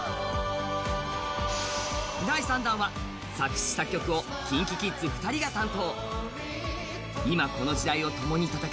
第３弾は作詩作曲をＫｉｎＫｉＫｉｄｓ２人が担当